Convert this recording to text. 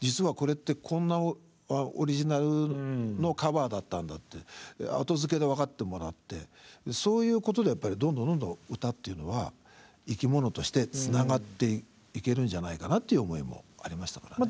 実はこれってこんなオリジナルのカバーだったんだって後付けで分かってもらってそういうことでどんどんどんどん歌っていうのは生き物としてつながっていけるんじゃないかなっていう思いもありましたからね。